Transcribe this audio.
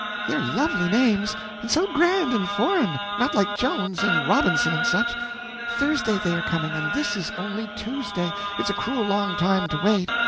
They're lovely names; and so grand and foreign not like Jones and Robinson and such. Thursday they are coming, and this is only Tuesday; it's a cruel long time to wait.